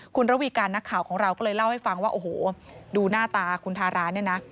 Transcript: คุณระวีการนักข่าวของเราก็เลยเล่าให้ฟังว่าโอ้โหดูหน้าตาคุณทาราเนี่ยนะ